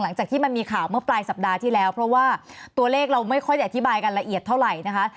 หลังจากที่มันมีข่าวเมื่อปลายสัปดาห์ที่แล้วเพราะว่าตัวเลขเราไม่ค่อยได้อธิบายกันละเอียดเท่าไหร่นะคะ